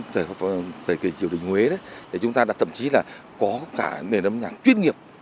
đến thời triều đình huế đấy thì chúng ta đã thậm chí là có cả nền âm nhạc chuyên nghiệp